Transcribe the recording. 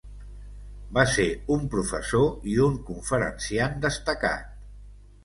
Va ser un professor i un conferenciant destacat.